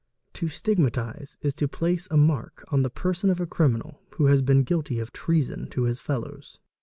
"To stigmatise'' is to place a mark on the person of a criminal who has been guilty of treason to his fellows.